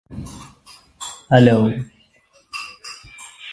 Helen enrolled as an undergraduate.